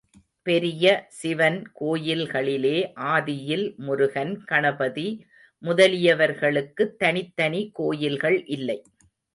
பெரிய சிவன் கோயில்களிலே ஆதியில் முருகன், கணபதி முதலியவர்களுக்குத் தனித்தனி கோயில்கள் இல்லை.